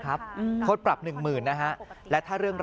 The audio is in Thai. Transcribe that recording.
แล้วก็ต่อไปเราจะได้ไม่ทำผิดแบบนี้